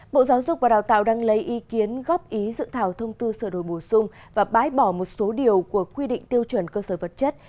bộ giáo dục và đào tạo đang lấy ý kiến góp ý dự thảo thông tư sửa đổi bổ sung và bái bỏ một số điều của quy định tiêu chuẩn cơ sở vật chất